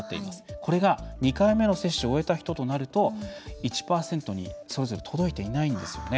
これが、２回目の接種を終えた人となると１％にそれぞれ届いていないんですよね。